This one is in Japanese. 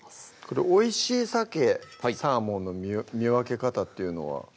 これおいしいさけサーモンの見分け方っていうのは？